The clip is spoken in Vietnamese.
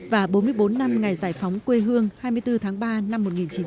và bốn mươi bốn năm ngày giải phóng quê hương hai mươi bốn tháng ba năm một nghìn chín trăm bảy mươi năm